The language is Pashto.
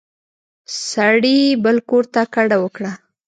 سړي بل کور ته کډه وکړه.